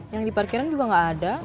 yang di parkiran juga nggak ada